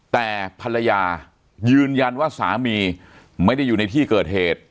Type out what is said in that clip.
แต่ภรรยายืนยันว่าสามีไม่ได้อยู่ในที่เกิดเหตุ